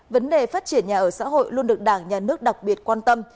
vấn đề phát triển nhà ở xã hội luôn được đảng nhà nước đặc biệt quan tâm